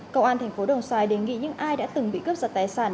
công an thành phố đồng xoài đề nghị những ai đã từng bị cướp giật tài sản